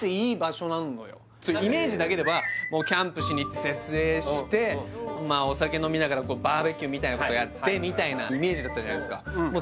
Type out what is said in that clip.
イメージだけではもうキャンプしにいって設営してまあお酒飲みながらバーベキューみたいなことやってみたいなイメージだったじゃないすか